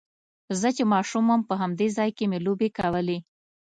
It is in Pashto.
زه چې ماشوم وم په همدې ځای کې مې لوبې کولې.